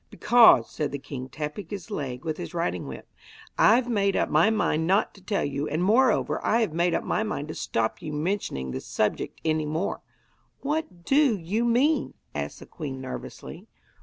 'Because,' said the king, tapping his leg with his riding whip, 'I've made up my mind not to tell you, and moreover, I have made up my mind to stop you mentioning the subject any more.' 'What do you mean?' asked the queen nervously.